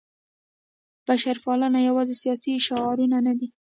بشرپالنه یوازې سیاسي شعارونه نه دي.